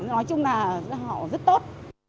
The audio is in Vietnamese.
nói chung là họ rất tốt